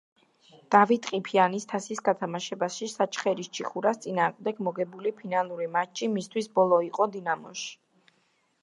დავით ყიფიანის თასის გათამაშებაში საჩხერის „ჩიხურას“ წინააღმდეგ მოგებული ფინალური მატჩი მისთვის ბოლო იყო „დინამოში“.